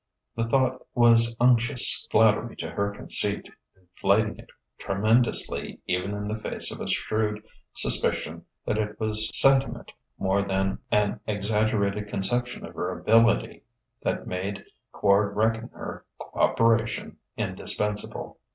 The thought was unctuous flattery to her conceit, inflating it tremendously even in the face of a shrewd suspicion that it was sentiment more than an exaggerated conception of her ability that made Quard reckon her coöperation indispensable.